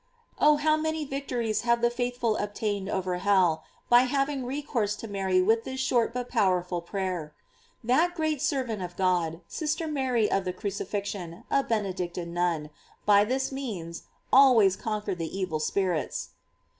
"f Oh, how many victories have the faithful obtained over hell, by having recourse to Mary with this short but powerful prayer! That great servant of God, Sister Mary of the Crucifixion, a Benedictine nun, by this means always conquered the evil spirits.